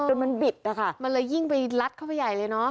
จนมันบิดนะคะมันเลยยิ่งไปลัดเข้าไปใหญ่เลยเนอะ